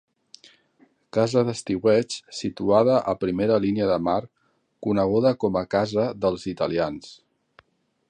Casa d'estiueig situada a primera línia de mar coneguda com a casa dels italians.